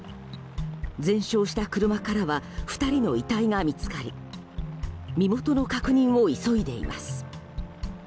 全焼した車からは２人の遺体が見つかり身元の確認を急いでいます。